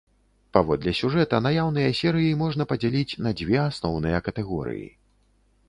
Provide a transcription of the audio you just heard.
Паводле сюжэта, наяўныя серыі можна падзяліць на дзве асноўныя катэгорыі.